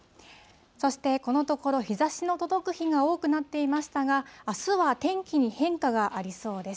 そしてこのところ、日ざしの届く日が多くなっていましたが、あすは天気に変化がありそうです。